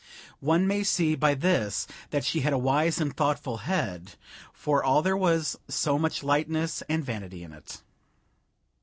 One may see by this that she had a wise and thoughtful head, for all there was so much lightness and vanity in it.